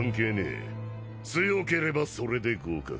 強ければそれで合格。